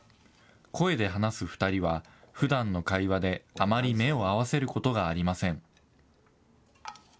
声で話す２人は、ふだんの会話であまり目を合わせることがありません。